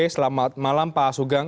selamat malam pak sugeng